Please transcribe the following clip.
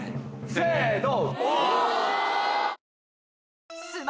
せの。